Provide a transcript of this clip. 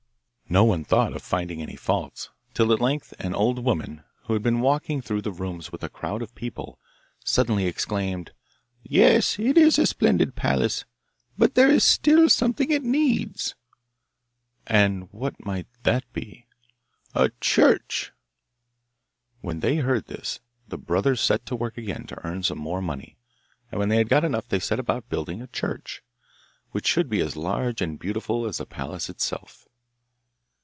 No one thought of finding any faults, till at length an old woman, who had been walking through the rooms with a crowd of people, suddenly exclaimed, 'Yes, it is a splendid palace, but there is still something it needs!' 'And what may that be?' 'A church.' When they heard this the brothers set to work again to earn some more money, and when they had got enough they set about building a church, which should be as large and beautiful as the palace itself.